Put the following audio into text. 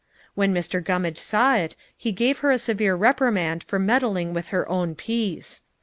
When Mr. Gummage saw it, he gave her a severe reprimand for meddling with her own piece.